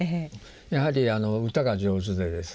やはり歌が上手でですね